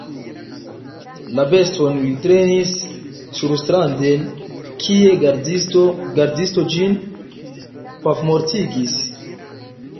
La beston li trenis surstranden, kie gardisto ĝin pafmortigis.